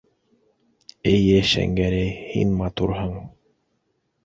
Эйе, Шәңгәрәй, һин матурһың.